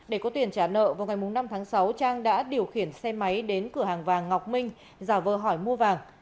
để có tiền trả nợ vào ngày năm tháng sáu trang đã điều khiển xe máy đến cửa hàng vàng ngọc minh giả vờ hỏi mua vàng